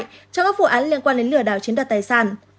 trong các vụ án liên quan đến lừa đảo chiếm đoạt tài sản